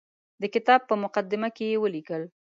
د کتاب په مقدمه کې یې ولیکل.